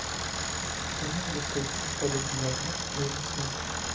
Una de las calles principales de Villava lleva su nombre.